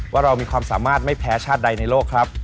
ว่าเรามีความสามารถไม่แพ้ชาติใดในโลกครับ